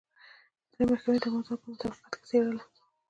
سترې محکمې دا موضوع په مطابقت کې څېړله.